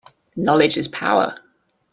Knowledge is power.